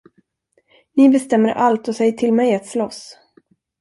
Ni bestämmer allt och säger till mig att slåss.